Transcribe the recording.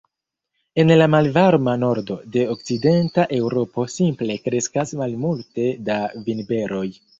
En la malvarma nordo de okcidenta Eŭropo simple kreskas malmulte da vinberoj.